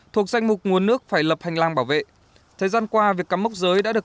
thuộc danh mục nguồn nước phải lập hành lang bảo vệ thời gian qua việc cắm mốc giới đã được